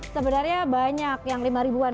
sebenarnya banyak yang lima ribuan